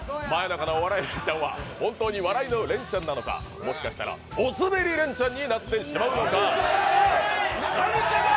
真夜中のお笑いレンチャンは本当に笑いのレンチャンなのかもしかしたらおすべりレンチャンに何言ってんだ。